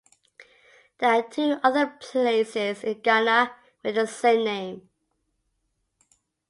There are two other places in Ghana with the same name.